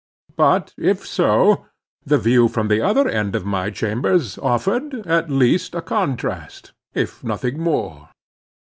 But if so, the view from the other end of my chambers offered, at least, a contrast, if nothing more.